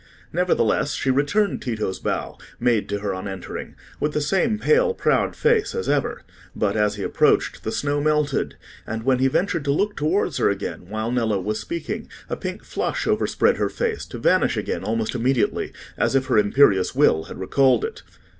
Nevertheless, she returned Tito's bow, made to her on entering, with the same pale proud face as ever; but, as he approached, the snow melted, and when he ventured to look towards her again, while Nello was speaking, a pink flush overspread her face, to vanish again almost immediately, as if her imperious will had recalled it.